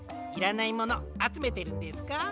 いらないものあつめてるんですか？